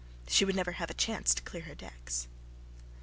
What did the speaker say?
She would never have a chance to clear her decks.